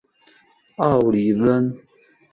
奥里翁。